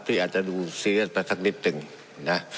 ที่อาจจะดูซีเรียสไปสักนิดหนึ่งนะ